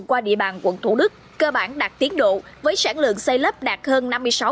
qua địa bàn quận thủ đức cơ bản đạt tiến độ với sản lượng xây lắp đạt hơn năm mươi sáu